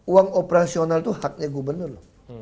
uang operasional itu haknya gubernur loh